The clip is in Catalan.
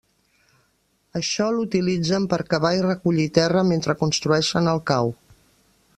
Això l'utilitzen per cavar i recollir terra mentre construeixen el cau.